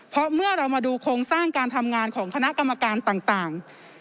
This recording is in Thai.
เพราะเมื่อเรามาดูโครงสร้างการทำงานของคณะกรรมการต่าง